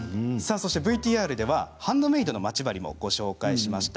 ＶＴＲではハンドメイドのまち針もご紹介しました。